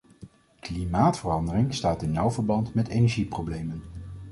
Klimaatverandering staat in nauw verband met energieproblemen.